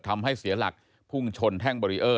ทำให้เสียหลักพุ่งชนแท่งเบรีเออร์